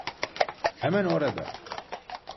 Hemen orada.